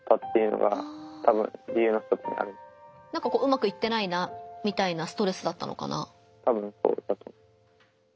うまくいってないなみたいなストレスだったのかな。